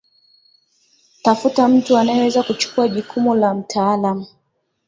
tafuta mtum anayeweza kuchukua jukumu la mtaalamu